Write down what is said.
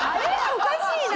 おかしいな。